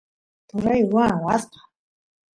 turay ruwan waska